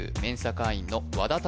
会員の和田拓